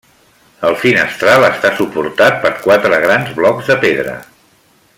El finestral està suportat per quatre grans blocs de pedra.